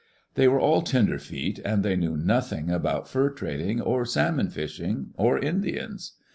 They were all " tenderf eet," and they knew nothing about fur trading or salmon fishing or Indians.